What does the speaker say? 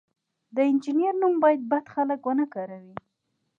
د انجینر نوم باید بد خلک ونه کاروي.